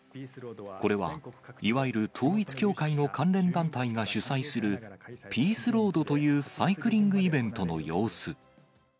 これは、いわゆる統一教会の関連団体が主催する、ピースロードというサイクリングイベントの様子。